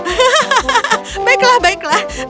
hahaha baiklah baiklah